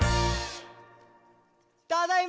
ただいま！